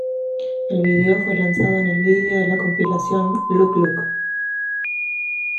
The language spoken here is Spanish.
El video fue lanzado en el vídeo de la compilación "Look Look".